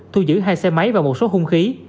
thu giữ hai xe máy và một số hung khí